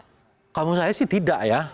kalau kamu saya sih tidak ya